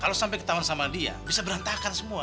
kalau sampai ketahuan sama dia bisa berantakan semua